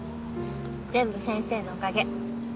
全部先生のおかげ。